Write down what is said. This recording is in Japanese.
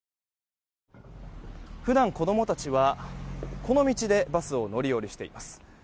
普段、子供たちはこの道でバスを乗り降りしています。